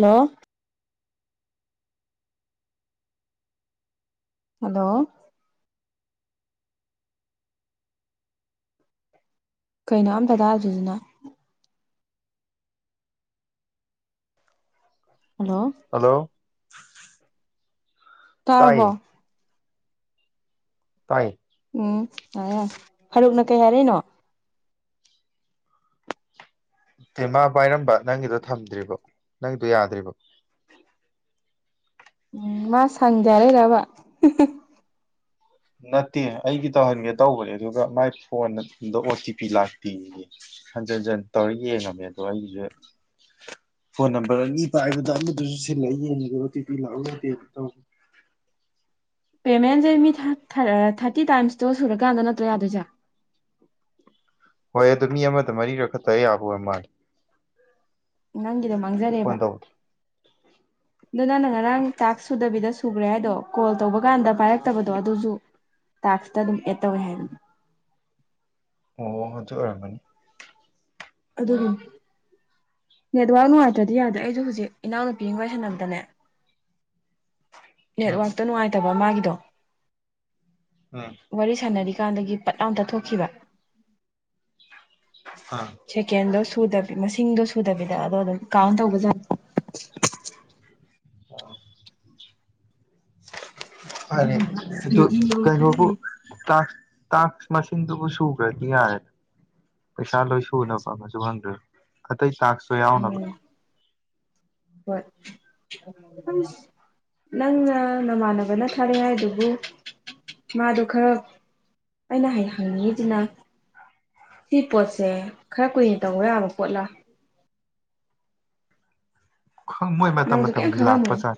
Hello hello ꯀꯩꯅꯣ ꯑꯝꯇ ꯇꯥ ꯑꯗꯨꯗꯨꯅ ꯍꯜꯂꯣ ꯊ ꯇꯥꯥꯏꯔꯕꯣ ꯇꯥꯏ ꯎꯝ ꯌꯥ ꯌꯥ ꯐꯔꯨꯛꯅ ꯀꯩ ꯍꯥꯏꯔꯅꯣ ꯏꯤꯃꯥ ꯄꯥꯏꯔꯝꯕ ꯅꯪꯒꯤꯗꯣ ꯊꯝꯗ꯭ꯔꯤꯕꯣ ꯅꯪꯒꯤꯗꯣ ꯌꯥꯗ꯭ꯔꯤꯕ ꯎꯝ ꯃꯥ ꯁꯪꯖꯔꯦꯕ ꯅꯠꯇꯦ ꯑꯩꯒꯤ ꯇꯧꯍꯟꯒꯦ ꯇꯧꯕꯅꯦ ꯑꯗꯨꯒ ꯃꯥꯏ ꯐꯣꯟꯗ ꯑꯣ ꯇꯤ ꯄꯤ ꯂꯥꯛꯄꯤꯒꯤ ꯍꯟꯖꯠ ꯍꯟꯖꯟ ꯇꯧꯔꯒ ꯌꯦꯡꯉꯝꯃꯦ ꯑꯗꯣ ꯑꯩꯒꯤꯁꯦ fl ꯐꯣꯟ ꯅꯝꯕꯔ ꯑꯅꯤ ꯄꯥꯏꯕꯗ ꯑꯃꯗꯨꯁꯨ ꯁꯤꯜꯂꯛꯑ ꯌꯦꯡꯉꯒ ꯑꯣ ꯇꯤ ꯄꯤ ꯂꯥꯛꯎ ꯅꯠꯇꯦ ꯇꯧꯕ [inaudible] ꯄꯦꯃꯦꯟꯁꯦ ꯃꯤ ꯊꯥꯔꯇꯤ ꯇꯥꯏꯝꯁꯇꯣ ꯁꯨꯔꯀꯥꯟꯗ ꯅꯠꯇ꯭ꯔꯣ ꯌꯥꯗꯣꯏꯖꯥ ꯍꯣꯏ ꯑꯗꯨ ꯃꯤ ꯑꯃꯗ ꯃꯔꯤꯔꯈꯛꯇꯑꯣ ꯑ ꯃꯥꯔ ꯅꯪꯒꯤꯗꯣ ꯃꯥꯡꯖꯔꯦꯕ ꯇꯧꯕꯗꯣ ꯑꯗꯨ ꯅꯪꯅ ꯉꯔꯥꯡ ꯇꯥꯛ ꯁꯨꯗꯕꯤꯗ ꯁꯨꯈ꯭ꯔꯦ ꯍꯥꯏꯗꯣ ꯀꯣꯜ ꯇꯧꯕ ꯀꯥꯟꯗ ꯄꯥꯏꯔꯛꯇꯕꯗꯣ ꯑꯗꯨꯁꯨ ꯇꯥꯛꯁꯤꯇ ꯑꯗꯨꯝ ꯑꯦ ꯇꯧꯋꯦ ꯍꯥꯏꯅ ꯑꯣ ꯑꯗꯨ ꯑꯗꯨ ꯈꯔꯃꯅꯤ ꯑꯗꯨꯗ ꯅꯦꯠꯋꯥꯛ ꯅꯨꯡꯉꯥꯏꯇ꯭ꯔꯗꯤ ꯌꯥꯗꯦ ꯑꯩꯁꯨ ꯍꯧꯖꯤꯛ ꯏꯅꯥꯎꯅꯨꯄꯤ ꯑꯣꯏꯁꯟꯂꯗꯅꯦ ꯎꯝ ꯅꯦꯠꯋꯥꯛꯛꯇ ꯅꯨꯡꯉꯥꯏꯇꯕ ꯃꯥꯒꯤꯗꯣ ꯎꯝ ꯋꯥꯔꯤ ꯁꯥꯟꯅꯔꯤꯀꯥꯟꯗꯒꯤ ꯄꯠꯂꯥꯝꯇ ꯊꯣꯛꯈꯤꯕ ꯍꯥ ꯁꯦꯀꯦꯟꯗꯣ ꯃꯁꯤꯡꯗꯣ ꯁꯨꯗꯕꯤꯗ ꯑꯗꯣ ꯑꯗꯨꯝ ꯀꯥꯎꯟ ꯇꯧꯕꯖ [inaudible] ꯑꯣ ꯐꯔꯦ ꯑꯗꯨꯒꯨꯝꯕ ꯚꯤꯗꯤꯑꯣ ꯈꯔ ꯀꯕꯨ ꯂꯩ ꯀ ꯇ ꯃꯁꯟ ꯇꯕꯨ ꯁꯨ ꯀꯦ ꯊ ꯄꯩꯁꯥ ꯂꯣꯏ ꯁꯨꯅꯕ ꯑꯃꯁꯨ ꯍꯪꯗ꯭ꯔꯦ ꯑꯇꯩ ꯇꯥꯛꯁꯨ ꯌꯥꯎꯅꯕ ꯎꯝ ꯍꯣꯏ ꯅꯪꯅ ꯅꯃꯥꯟꯅꯕꯅ ꯊꯥꯔꯦ ꯍꯥꯏꯗꯨꯕꯨ ꯃꯥꯗꯣ ꯈꯔ ꯑꯩꯅ ꯍꯌꯦ ꯍꯪꯅꯤꯡꯉꯤꯁꯤꯅ ꯁꯤ ꯄꯣꯠꯁꯦ ꯈꯔ ꯀꯨꯏꯅ ꯇꯧꯕ ꯌꯥꯕ ꯄꯣꯠꯂꯥ ꯃꯣꯏ ꯃꯇꯝ ꯅꯪꯁꯨ ꯀꯩꯝ ꯃꯇꯝꯒꯤ ꯂꯥꯛꯄ ꯈꯪꯉꯝꯃꯣꯏ ꯆꯥꯏ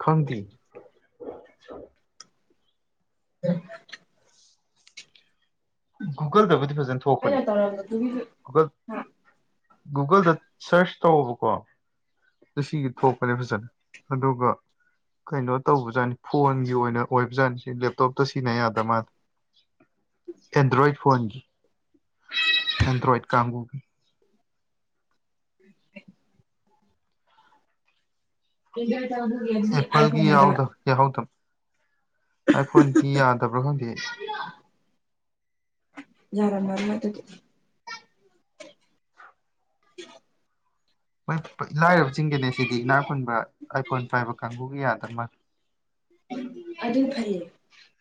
ꯈꯪꯗꯤ ꯎ ꯒꯨꯒꯜꯗꯕꯨꯗꯤ ꯐꯖꯅ ꯊꯣꯛꯄꯅꯦ ꯑꯩꯅ ꯇꯧꯔꯝꯕꯗꯨꯒꯤ ꯒꯨꯒꯜ ꯒꯨꯒꯜꯗ ꯁꯔꯁ ꯇꯧꯕꯀꯣ ꯉꯁꯤ ꯊꯣꯛꯄꯅꯤ ꯐꯖꯅ ꯑꯗꯨꯒ ꯀꯩꯅꯣ ꯇꯧꯕꯖꯥꯠꯅꯤ ꯐꯣꯟꯒꯤ ꯑꯣꯏꯅ ꯑꯣꯏꯕꯖꯥꯠꯅꯤ ꯁꯤ ꯂꯦꯞꯇꯣꯞꯇ ꯁꯤꯖꯤꯟꯅ ꯌꯥꯗꯕ ꯃꯥꯜꯂ ꯎ [inaudible] ꯑꯦꯟꯗ꯭ꯔꯣꯏꯗ ꯐꯣꯟꯒꯤ ꯑꯦꯟꯗ꯭ꯔꯣꯏꯗ ꯀꯥꯡꯕꯨꯒꯤ [inaudible] ꯎ [inaudible] ꯑꯦꯄꯜꯒꯤ ꯌꯥꯎꯗ ꯌꯥꯍꯧꯗꯪ ꯑꯩꯏꯐꯣꯟ ꯌꯥꯗꯕ꯭ꯔ ꯈꯪꯗꯦ ꯌꯥꯔꯝ ꯃꯔ ꯑꯗꯨꯗꯤ ꯎ [inaudible] ꯃꯣꯏ ꯂꯥꯏꯔꯕꯁꯤꯡꯒꯤꯅꯦ ꯁꯤꯗꯤ ꯏꯅꯥꯛ ꯈꯨꯟꯕ ꯑꯥꯏꯐꯣꯟ ꯄꯥꯏꯕ ꯀꯥꯡꯕꯨꯒꯤ ꯌꯥꯗꯃ ꯑꯗꯨ ꯈꯜꯂꯤ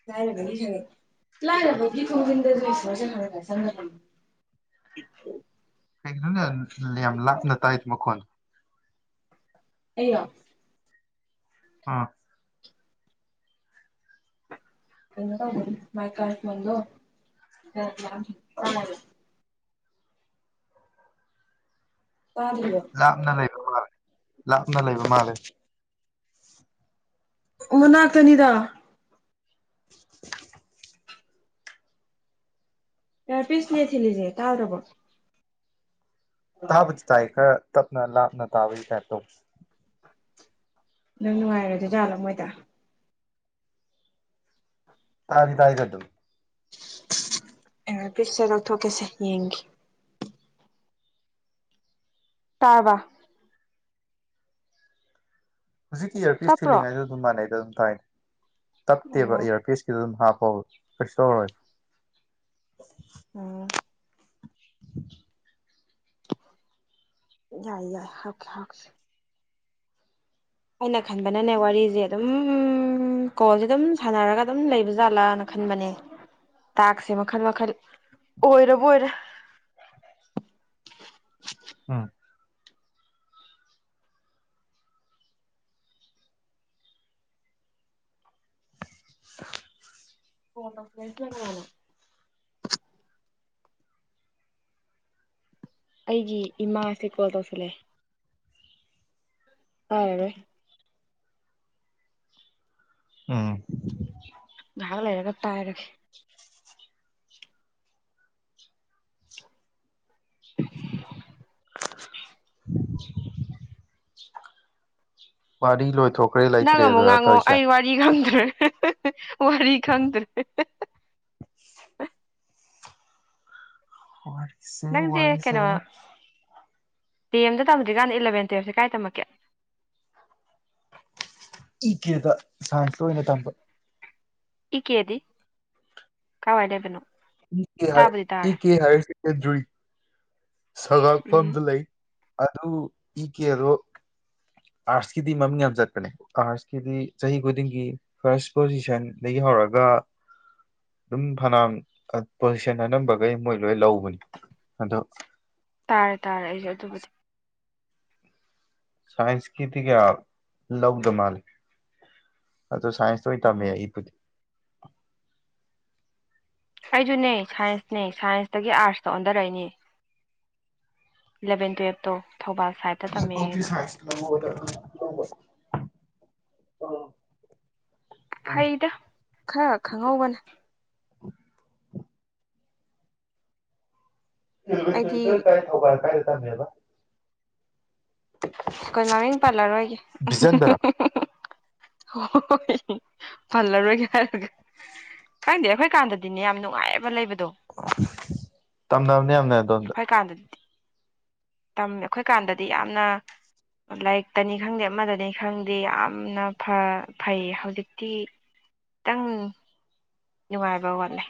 ꯂꯥꯏꯔꯕꯒꯤ ꯈꯔꯦ ꯂꯥꯏꯔꯕꯒꯤ ꯊꯣꯡꯖꯤꯟꯗ ꯏꯁꯃ ꯈ ꯈ ꯆꯪ [inaudible] ꯀꯅ ꯌꯥꯝ ꯂꯥꯞ ꯅ ꯇꯥꯏ ꯃꯈꯣꯟ ꯑꯌꯥ ꯎꯝ ꯀ ꯃꯥꯏ ꯀꯔꯗꯣ ꯂꯥꯞꯅ ꯂꯩꯕ ꯃꯥꯂꯦ ꯂꯥꯞꯅ ꯂꯩꯕ ꯃꯥꯜꯂꯦ ꯃꯅꯥꯛꯇꯅꯤꯗ [inaudible] ꯌꯥꯔ ꯄꯤꯁꯅꯦ ꯊꯤꯂꯤꯖꯦ ꯇꯗꯕꯣ ꯇꯥꯕ ꯇꯏ ꯈꯔ ꯇꯞꯅ ꯇꯥꯕ ꯀ ꯅꯪ ꯅꯨꯡꯉꯥꯏꯔ ꯑꯗꯨꯖꯥꯠꯂꯝ ꯃꯣꯏꯗ ꯇꯥꯒꯤ ꯇꯥꯥꯏ ꯆꯠꯇꯨ ꯑꯦꯔꯄꯤꯁꯁꯦ ꯂꯧꯊꯣꯛꯀꯦꯁꯦ ꯌꯦꯡꯒ ꯇꯥꯔꯕ ꯍꯧꯖꯤꯛꯀꯤ ꯏꯌꯔꯄꯤꯁ ꯇꯞꯄ꯭ꯔꯣ ꯊꯤꯜꯂꯤꯉꯩꯗ ꯑꯗꯨꯝ ꯃꯥꯟꯅꯩꯗ ꯑꯗꯨꯝ ꯊꯥꯏꯅꯦ ꯇꯞꯇꯦꯕ ꯑꯣ ꯏꯌꯔꯄꯤꯁꯀꯤꯗ ꯑꯗꯨꯝ ꯍꯥꯞꯄ ꯍꯣ ꯀꯁ ꯇꯧ ꯎꯝ [inaudible] ꯌꯥꯏ ꯌꯥꯏ ꯍꯥꯛꯀꯦ ꯍꯥꯛꯁ ꯑꯩꯅ ꯈꯟꯕꯅꯅꯦ ꯋꯥꯔꯤꯁꯦ ꯑꯗꯨꯝ ꯀꯣꯜꯁꯦ ꯑꯗꯨꯝ ꯁꯥꯟꯅꯔꯒ ꯑꯗꯨꯝ ꯂꯩꯕ ꯖꯥꯠꯂꯥꯅ ꯈ ꯈꯟꯕꯅꯦ ꯇꯥꯛꯁꯦ ꯃꯈꯜ ꯃꯈꯜ ꯑꯣꯏꯔꯕꯣꯏꯔꯦ [inaudible] ꯎꯝ ꯐꯣꯇꯣ ꯐ꯭ꯂꯦꯁꯉꯅ [inaudible] ꯑꯩꯒꯤ ꯏꯃꯥꯁꯦ ꯀꯣꯜ ꯇꯧꯁꯤꯜꯂꯛꯑꯦ ꯍꯥꯏꯔꯔꯣꯏ ꯎꯝ ꯉꯍꯥꯛ ꯂꯩꯔꯒ ꯄꯥꯏꯔꯒꯦ [inaudible] [inaudible] ꯋꯥꯔꯤ ꯂꯣꯏꯊꯣꯛ ꯅꯪꯒ ꯑꯃꯨꯛ ꯉꯥꯡꯉꯑꯣ ꯑꯩ ꯋꯥꯔꯤ ꯈꯪꯗ꯭ꯔꯦ ꯋꯥꯔꯤ ꯈꯪꯗ꯭ꯔꯦ ꯋꯥꯔꯤꯁꯦ ꯋꯥꯔꯤꯁꯦ ꯇꯦꯟꯗ ꯇꯝꯗ꯭ꯔꯤꯀꯥꯟꯗ ꯏꯂꯚꯦꯟ ꯇꯨꯌꯦꯞꯁꯦ ꯀꯥꯏ ꯇꯝꯃꯛꯀꯦ ꯏ ꯀꯦꯗ ꯁꯥꯏꯟꯁ ꯂꯣꯏꯅ ꯇꯝꯕ ꯏ ꯀꯦꯗꯤ ꯀꯥꯢꯋꯥꯏ ꯂꯩꯕꯅꯣ꯫ ꯏ ꯀꯦ ꯍꯥꯏ ꯇꯥꯕꯨꯗꯤ ꯇꯥꯔꯦ ꯏ ꯀꯦ ꯍꯥꯏꯌꯔ ꯁꯦꯀꯦꯟꯗ꯭ꯔꯤ꯫ ꯎꯝ ꯁꯉꯥꯛꯐꯝꯗ ꯂꯩ ꯑꯗꯨ ꯏꯀꯦ ꯗꯣ꯫ ꯑꯥꯔꯠꯁꯀꯤꯗꯤ ꯃꯃꯤꯡ ꯌꯥꯝ ꯆꯠꯄꯅꯦ ꯑꯥꯔꯠꯁꯀꯤꯗꯤ ꯆꯍꯤ ꯈꯨꯗꯤꯡꯒꯤ ꯐꯥꯔꯁ ꯄꯣꯖꯤꯁꯟꯗꯒꯤ ꯍꯧꯔꯛ ꯑꯔꯒ ꯗꯨꯝ ꯐꯅꯥꯝ ꯑꯠ ꯄꯣꯢꯁꯟ ꯑꯅꯝꯕꯒꯩ ꯃꯣꯏ ꯂꯣꯏ ꯂꯧꯕꯅꯤ ꯑꯗꯣ ꯇꯥꯔꯦ ꯇꯥꯔꯦ ꯑꯩꯖꯨ ꯑꯗꯨꯕꯨꯗꯤ ꯁꯥꯏ꯭ꯟꯁ ꯀꯤꯗꯤ ꯒꯌꯥ ꯂꯧꯗ ꯃꯥꯜꯂꯦ ꯑꯗ ꯇ ꯁꯥꯏꯟꯁꯇ ꯑꯣꯏꯟ ꯇꯝꯃꯦ ꯎꯝ ꯑꯩꯕꯨꯨꯗꯤ ꯑꯩꯖꯨꯅꯦ ꯁꯥꯏꯟꯁꯅꯦ ꯁꯥꯏꯟꯁꯇꯒꯤ ꯑꯥꯔꯠꯁꯇ ꯑꯣꯟꯗꯔꯛꯏꯅꯦ꯫ ꯏꯂꯚꯦꯟ ꯇꯨꯌꯦꯐꯇꯣ꯫ [inaudible] ꯐꯩꯗ ꯈꯔ ꯈꯪꯍꯧꯕꯅ꯫ ꯏꯂꯕꯦꯟ ꯑꯩꯗꯤ ꯇꯨꯌꯦꯕ ꯇ ꯀꯥꯢ ꯊꯧꯕꯥꯜ ꯀꯥꯏꯗ ꯇꯝꯃꯦꯕ ꯁ꯭ꯀꯨꯟ ꯃꯃꯤꯡ ꯄꯥꯜꯂꯔꯣꯏꯒꯦ ꯕꯤꯖꯟꯗꯔꯣ ꯑꯍꯤꯍꯦꯍꯦꯍꯦ꯫ ꯍꯣ ꯍꯣ ꯍꯣ ꯍꯩ ꯍꯤ ꯄꯜꯂꯔꯣꯢꯒꯦ [inaudible] ꯈꯪꯗꯦ ꯑꯩꯈꯣꯏ ꯀꯥꯟꯗꯗꯤꯅꯦ ꯌꯥꯝ ꯅꯨꯡꯉꯥꯏꯌꯦꯕ ꯂꯩꯕ ꯇꯝꯅꯝꯅꯦ ꯌꯥꯝꯅ ꯑꯗꯣꯝꯗ ꯑꯩꯈꯣꯏ ꯀꯥꯟꯗꯗꯤ ꯇꯝꯃꯦ ꯑꯈꯣꯏꯀꯥꯟꯗꯗꯤ ꯌꯥꯝꯅ ꯂꯥꯏꯔꯤꯛꯇꯅꯤ ꯈꯪꯗꯦ ꯑꯃꯗꯅꯤ ꯈꯪꯗꯦ ꯌꯥꯝꯅ ꯐ ꯐꯩ ꯍꯧꯖꯤꯛꯇꯤ ꯇꯪ ꯅꯨꯡꯉꯥꯏꯕ ꯋꯥꯠꯂꯦ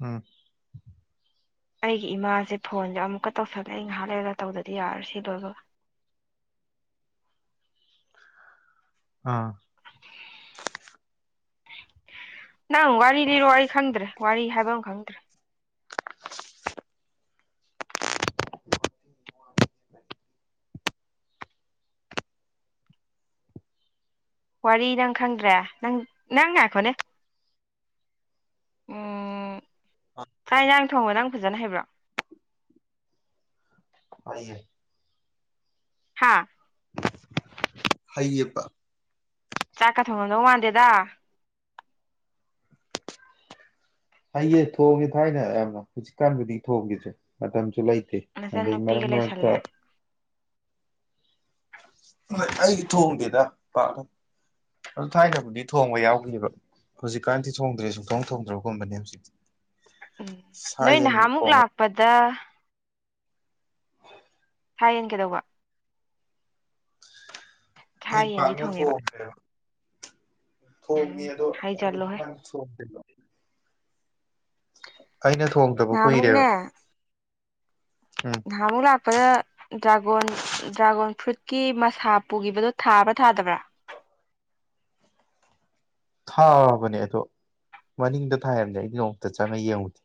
ꯎꯝ꯫ ꯑꯩꯒꯤ ꯏꯃꯥꯖꯦ ꯐꯣꯟꯖꯦ ꯑꯃꯨꯛꯀ ꯇꯧꯁꯜꯂꯦ ꯑꯩ ꯉꯥꯏꯍꯥꯛ ꯂꯩꯔꯒ ꯇꯧꯗꯗꯤ ꯌꯥꯔ ꯁꯤ ꯂꯣꯏꯕ [inaudible] ꯑ꯫ ꯅꯪ ꯋꯥꯔꯤ ꯂꯤꯔꯣ ꯑꯩ ꯈꯪꯗ꯭ꯔꯦ ꯋꯥꯔꯤ ꯍꯥꯏꯕꯝ ꯈꯪꯗ꯭ꯔꯦ꯫ ꯋꯥꯔꯤ ꯅꯪ ꯈꯪꯗ꯭ꯔꯦ ꯅꯪ ꯅꯪ ꯉꯥꯢꯈꯣꯅꯦ ꯎꯝ ꯆꯥꯏ ꯖꯥꯡ ꯊꯣꯡꯕ ꯅꯪ ꯐꯖꯅ ꯍꯦꯕ꯭ꯔꯣ ꯑꯩꯌꯦ ꯍꯥꯥ꯫ ꯍꯩꯌꯦꯄ꯫ ꯆꯥꯛꯀ ꯊꯣꯡꯉꯝꯗꯧ ꯃꯥꯟꯗꯦꯗ꯫ ꯍꯩꯌꯦ ꯊꯣꯡꯉꯦ ꯊꯥꯏꯅ ꯌꯥꯝꯅ ꯍꯧꯖꯤꯛꯀꯥꯟꯕꯨꯗꯤ ꯊꯣꯡꯒꯤꯗ꯭ꯔꯦ ꯃꯇꯝꯁꯨ ꯂꯩꯠ ꯇꯦ ꯅꯆꯟ ꯑꯗꯩ ꯃꯔꯛ ꯅꯨꯄꯤꯒ ꯃꯔꯛꯇ ꯂꯩꯁꯜꯂꯦ [inaudible] ꯑꯩ ꯊꯣꯡꯗꯦꯗ ꯄꯥꯛ ꯑꯗ ꯊꯥꯏꯅꯕꯨꯗꯤ ꯊꯣꯡꯕ ꯌꯥꯎꯒꯤꯑꯦꯕ ꯍꯧꯖꯤꯛꯀꯥꯟꯗꯤ ꯊꯣꯡꯗ꯭ꯔꯦ ꯁꯨꯛꯊꯣꯡ ꯊꯣꯡꯗ꯭ꯔꯒꯨꯝꯕꯅꯦ ꯍꯧꯖꯤꯛꯇꯤ꯫ ꯎꯝ ꯁꯥ ꯅꯣꯏ ꯌꯦꯟ ꯅꯍꯥꯝꯃꯨꯛ ꯊꯣꯡꯉ ꯂꯥꯛꯄꯗ ꯁꯥ ꯌꯦꯟ ꯀꯩꯗꯧꯕ꯫ ꯁꯥ ꯑꯩ ꯌꯦꯟꯗꯤ ꯄꯥꯛꯅ ꯊꯣꯡꯉꯦꯕ ꯊꯣꯡꯗ꯭ꯔꯦꯕ ꯊꯣꯡꯉꯤ ꯎꯝ ꯑꯗꯣ ꯍꯥꯏꯖꯜꯂꯣꯍꯦ [inaudible] ꯊꯣꯡꯗꯦꯕ꯫ ꯑꯩꯅ ꯊꯣꯡꯗꯕ ꯀꯨꯏꯔꯦꯕ꯫ ꯎꯝ ꯅꯍꯥꯃꯨꯛ ꯂꯥꯛꯄꯗ ꯗ꯭ꯔꯥꯒꯣꯟ ꯗ꯭ꯔꯥꯒꯣꯟ ꯐ꯭ꯔꯨꯏꯠꯀꯤ ꯃꯁꯥ ꯄꯨꯒꯤꯕꯗꯣ ꯊꯥꯕ꯭ꯔꯥ ꯊꯥꯗꯕ꯭ꯔꯥ꯫ [inaudible] ꯊꯥꯕꯅꯦ ꯑꯗꯣ ꯃꯅꯤꯡꯗ ꯊꯥꯏꯍꯥꯏꯝꯅꯦ ꯑꯩꯗꯤ ꯅꯣꯡꯃꯇ ꯆꯪꯉ ꯌꯦꯡꯉꯨꯗꯦ꯫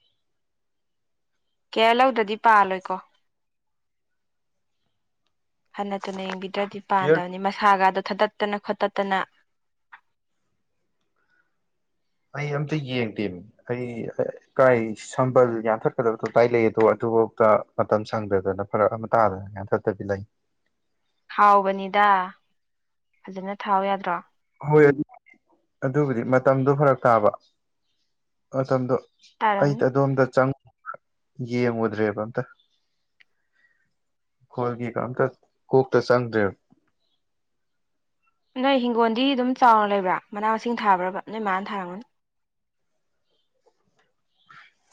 ꯀꯦꯌꯔ ꯂꯧꯗ꯭ꯔꯗꯤ ꯄꯥꯜꯂꯣꯏꯀꯣ꯫ ꯍꯟꯅ ꯇꯨꯅ ꯌꯦꯡꯕꯤꯗ꯭ꯔꯗꯤ ꯀꯤꯌꯔ ꯄꯥꯟꯗꯕꯅꯤ ꯃꯁꯥꯒ ꯗꯣ ꯊꯥꯇꯠꯇꯅ ꯈꯣꯠꯇꯠꯇꯅ꯫ ꯑꯩ ꯑꯝꯇ ꯌꯦꯡꯗꯦ ꯃꯤ ꯑꯩ ꯑꯥꯢ ꯀꯥꯏ ꯁꯝꯕꯜ ꯌꯥꯟꯊꯠꯀꯗꯕ ꯇꯥꯏ ꯂꯩꯑꯦꯗꯣ ꯊꯕꯣꯛꯇ ꯃꯇꯝ ꯁꯪꯗꯗꯅ ꯐꯔꯛ ꯑꯃ ꯇꯥꯗꯅ ꯌꯥꯟꯊꯠꯇꯕꯤ ꯂꯩ ꯍꯥꯎꯕꯅꯤꯗ ꯐꯖꯅ ꯊꯥꯎ ꯌꯥꯗ꯭ꯔꯣ ꯍꯣꯏ ꯑꯗꯨꯕꯨꯗꯤ ꯃꯇꯝꯗꯣ ꯐꯔꯛ ꯇꯥꯕ ꯃꯇꯝꯗꯣ ꯑꯩꯗꯤ ꯇꯥꯔꯝꯅꯤ ꯑꯗꯣꯝꯗ ꯆꯪꯉ ꯌꯦꯡꯉꯨꯗ꯭ꯔꯦꯕ ꯑꯝꯇ ꯈꯣꯜꯒꯤ ꯀꯝꯇ ꯀꯣꯛꯇ ꯆꯪꯗ꯭ꯔꯦ ꯅꯣꯏ ꯍꯤꯡꯒꯣꯜꯗꯤ ꯑꯗꯨꯝ ꯆꯥꯎꯅ ꯂꯩꯕ꯭ꯔꯥ ꯃꯅꯥ ꯃꯁꯤꯡ ꯊꯥꯕ꯭ꯔꯕ ꯅꯣꯏ ꯃꯥꯅ ꯊꯥꯔꯝꯒꯅꯤ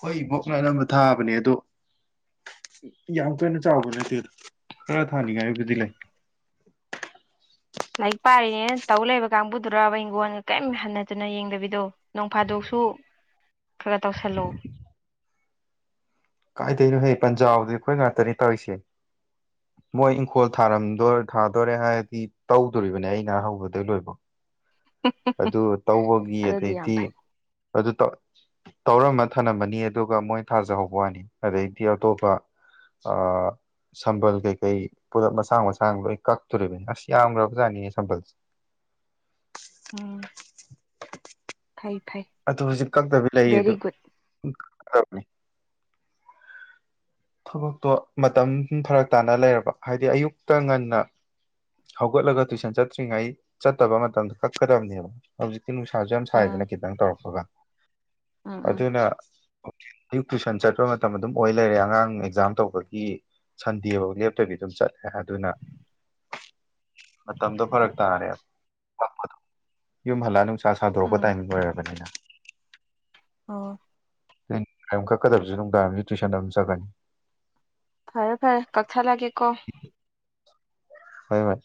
ꯍꯣꯏ ꯕꯣꯛ ꯂꯂꯝꯝꯕ ꯊꯥꯕꯅꯦ ꯑꯗꯣ ꯌꯥꯝ ꯀꯟꯅ ꯆꯥꯎꯕ ꯅꯠꯇꯦ ꯑꯗꯨꯗ ꯈꯔ ꯊꯥꯅꯤꯡꯉꯥꯏꯕꯨꯗꯤ ꯂꯩ [inaudible] ꯂꯥꯏꯔꯤꯛ ꯄꯥꯔꯤꯅꯦ ꯇꯧ ꯂꯩꯕ ꯀꯥꯡꯕꯨꯗꯨꯔꯕ ꯍꯤꯡꯈꯣꯟꯜꯒ ꯀꯔꯤꯝ ꯍꯟꯅꯖꯅ ꯌꯦꯡꯗꯕꯤꯗꯣ ꯅꯣꯡ ꯐꯥꯗꯣꯛꯁꯨ ꯁꯨ ꯈꯔ ꯇꯧꯁꯜꯂꯨ ꯀꯥꯏꯗꯩꯅꯣ ꯍꯌꯦ ꯄꯟꯖꯥꯎꯗꯤ ꯑꯩꯈꯣꯏ ꯉꯇꯅꯤ ꯇꯧꯔꯤꯁꯦ ꯃꯣꯏ ꯏꯪꯈꯣꯜ ꯊꯥꯔꯗ ꯊꯥꯗꯣꯔꯦ ꯍꯥꯏꯔꯗꯤ ꯇꯧꯗꯣꯔꯤꯕꯅꯦ ꯑꯩꯅ ꯍꯧꯧꯕꯗꯣꯏ ꯂꯣꯏꯕꯣ ꯑꯗꯨ ꯇꯧꯕꯒꯤ ꯑꯗꯨꯗꯤ ꯌꯥꯝ ꯑꯗꯩꯗꯤ ꯐꯩ ꯑꯗꯨ ꯇ ꯇꯧꯔꯝꯃ ꯊꯝꯂꯝꯝꯃꯅꯤ ꯑꯗꯨꯒ ꯃꯣꯏ ꯊꯥꯖꯍꯧꯕ ꯋꯥꯅꯤ ꯑꯗꯩꯗꯤ ꯑꯇꯣꯞꯄ ꯑ ꯁꯝꯕꯜ ꯀꯩꯀꯩ ꯄꯨꯂꯞ ꯃꯁꯥꯡ ꯃꯁꯥꯡ ꯂꯣꯏ ꯀꯛꯇꯣꯔꯤꯕꯅꯦ ꯑꯁ ꯌꯥꯝꯈ꯭ꯔꯕꯖꯥꯅꯤꯌꯦ ꯁꯝꯕꯜꯁꯦ [inaudible] ꯎꯝ ꯐꯩ ꯐꯩ ꯑꯗꯨ ꯍꯧꯖꯤꯛ ꯀꯛꯇꯕꯤ ꯂꯩ ꯚꯦꯔꯤ ꯒꯨꯗ ꯑꯗꯨꯅꯤ ꯊꯕꯛꯇꯣ ꯃꯇꯝ ꯐꯔꯛ ꯇꯥꯅ ꯂꯩꯔꯕ ꯍꯥꯏꯕꯗꯤ ꯑꯌꯨꯛꯇ ꯉꯟꯅ ꯍꯧꯒꯠꯂꯒ ꯇꯨꯏꯁꯟ ꯆꯠꯇ꯭ꯔꯤꯉꯩ ꯆꯠꯇꯕ ꯃꯇꯝꯗ ꯀꯛꯀꯗꯕꯅꯦꯕ ꯍꯧꯖꯤꯛ ꯏꯤ ꯅꯨꯡꯁꯥꯁꯨ ꯌꯥꯝ ꯎꯝ ꯁꯥꯏꯗꯅ ꯈꯤꯇꯪ ꯇꯧꯔꯛꯄꯒ ꯎꯝ ꯎꯝ ꯑꯗꯨꯅ ꯑꯌꯨꯛ ꯇꯨꯋꯏꯁꯟ ꯆꯠꯄ ꯃꯇꯝ ꯑꯗꯨꯝ ꯑꯣꯏ ꯂꯩꯔꯦ ꯑꯉꯥꯡ ꯑꯦꯛꯖꯥꯝ ꯇꯧꯕꯒꯤ ꯁꯟꯗꯦꯐꯧ ꯂꯦꯞꯇꯕꯤ ꯑꯗꯨꯝ ꯆꯠꯂꯦ ꯑꯗꯨꯅ ꯃꯇꯝꯗꯣ ꯐꯔꯛ ꯇꯥꯔꯦ ꯌꯨꯝ ꯍꯜꯂꯛꯅꯤꯡ ꯥ ꯁꯥꯗꯣꯔꯛꯄ ꯎꯝ ꯇꯥꯏꯃꯤꯡ ꯑꯣꯏꯔꯕꯅꯤꯅ ꯑꯣ ꯅꯨꯡꯝ ꯀꯛꯀꯗꯕꯁꯨ ꯅꯨꯡꯗꯥꯡꯏꯔꯝꯁꯨ ꯇꯨꯏꯁꯟꯗ ꯑꯗꯨꯝ ꯆꯠꯀꯅꯤ ꯐꯔꯦ ꯐꯔꯦ ꯀꯛꯊꯠꯂꯒꯦ ꯀꯣ ꯍꯣꯏ ꯍꯣꯏ